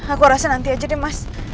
aku rasa nanti aja deh mas